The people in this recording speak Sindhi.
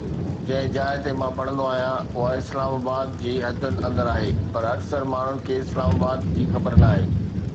جنهن جاءِ تي مان پڙهندو آهيان، اها اسلام آباد جي حدن اندر آهي، پر اڪثر ماڻهن کي اسلام آباد جي خبر ناهي.